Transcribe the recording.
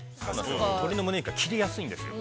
◆鶏のむね肉は切りやすいんですよ。